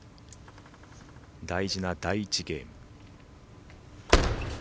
大事な第１ゲーム。